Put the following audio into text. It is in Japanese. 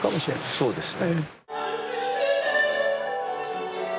そうですね。